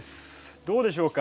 どうでしょうか？